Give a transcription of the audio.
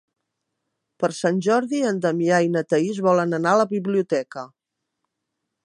Per Sant Jordi en Damià i na Thaís volen anar a la biblioteca.